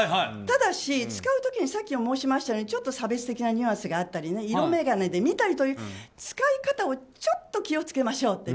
ただし、使う時にさっきも申しましたようにちょっと差別的なニュアンスがあったり色眼鏡で見たり、使い方をちょっと気を付けましょう。